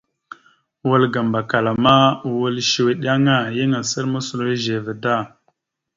Wal ga Mbakala ma, wal səwe eɗeŋa, yan asal moslo ezeve da.